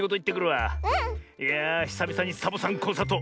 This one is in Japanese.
いやあひさびさにサボさんコンサート